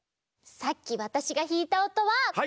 さっきわたしがひいたおとは